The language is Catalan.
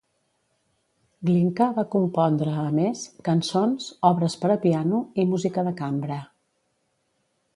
Glinka va compondre, a més, cançons, obres per a piano, i música de cambra.